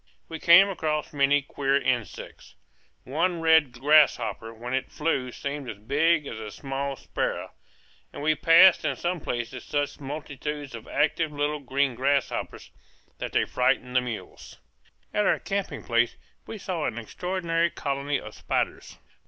We came across many queer insects. One red grasshopper when it flew seemed as big as a small sparrow; and we passed in some places such multitudes of active little green grasshoppers that they frightened the mules. At our camping place we saw an extraordinary colony of spiders.